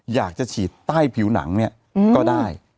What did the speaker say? อยากจะฉีดใต้ผิวหนังเนี่ยก็ได้